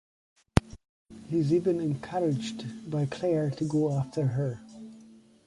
He is even encouraged by Claire to go after her.